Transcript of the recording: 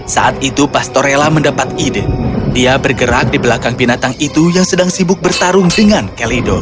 saat itu pastor rela mendapat ide dia bergerak di belakang binatang itu yang sedang sibuk bertarung dengan kelido